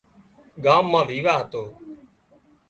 ڳام مان ويواه هتو